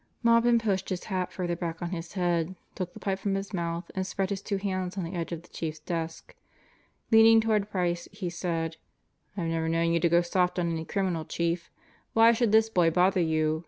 Maupin pushed his hat further back on his head, took the pipe from his mouth, and spread his two hands on the edge of the Chief's desk. Leaning toward Price, he said: "I've never known you to go soft on any criminal, Chief. Why should this boy bother you?